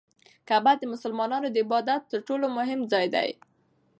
کعبه د مسلمانانو د عبادت تر ټولو مهم ځای دی.